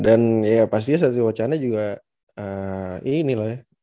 dan ya pastinya satewacana juga ini loh ya